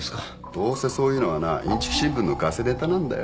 どうせそういうのはないんちき新聞のガセネタなんだよ。